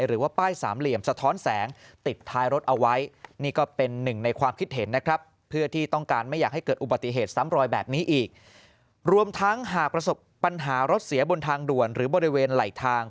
หากปัญหารถเสียบนทางด่วนหรือบริเวณไหลทาง